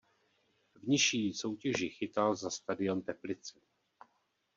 V nižší soutěži chytal za Stadion Teplice.